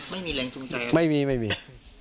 ไม่มีแรงจูงใจไม่มีไม่มี